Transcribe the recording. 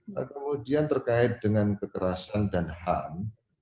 nah kemudian terkait dengan kekerasan dan ham